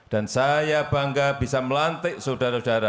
dan saya bangga bisa melantik saudara saudara